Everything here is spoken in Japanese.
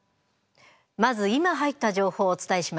まず今入った情報をお伝えします。